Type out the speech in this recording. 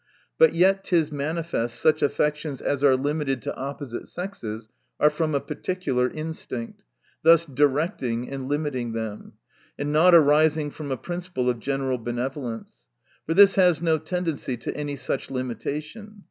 But yet it is manifest such affections as are limited to opposite sexes, are from a particular instinct, thus directing and limiting them ; and not arising from a principle of general benevolence ; for this has no tendency to any such limitation.